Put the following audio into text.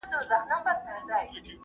موټر د زده کوونکي له خوا کارول کيږي؟